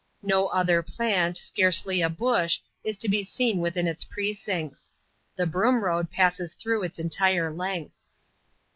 No other plant, scarcely a bush, is to be seen within its precincts. The Broom Road passes through its entire length.